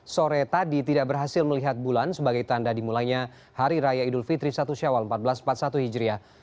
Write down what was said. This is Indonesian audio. sore tadi tidak berhasil melihat bulan sebagai tanda dimulainya hari raya idul fitri satu syawal seribu empat ratus empat puluh satu hijriah